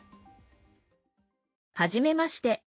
はじめまして。